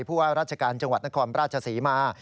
ผู้ว่าราชการจังหวัดนครราชศรีมา